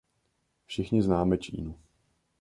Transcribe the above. Všichni známe Čínu.